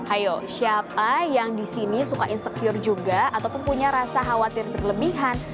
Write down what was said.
ayo siapa yang di sini suka insecure juga ataupun punya rasa khawatir berlebihan